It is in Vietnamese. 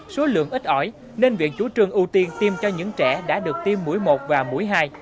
số lượng ít ỏi nên viện chú trường ưu tiên tiêm cho những trẻ đã được tiêm mũi một và mũi hai